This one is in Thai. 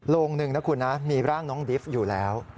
โรงหนึ่งนะคุณนะมีร่างน้องดิฟต์อยู่แล้ว